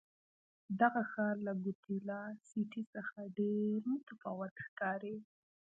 دغه ښار له ګواتیلا سیټي څخه ډېر متفاوت ښکاري.